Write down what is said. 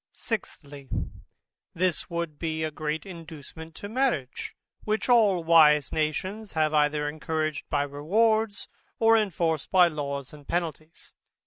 Sixthly, This would be a great inducement to marriage, which all wise nations have either encouraged by rewards, or enforced by laws and penalties.